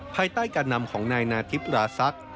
ภายใต้การนำของนายนาธิปราศักดิ์